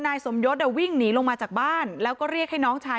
นายสมยศวิ่งหนีลงมาจากบ้านแล้วก็เรียกให้น้องชาย